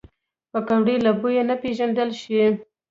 پکورې له بوی نه وپیژندل شي